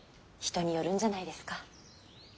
人によるんじゃないですか。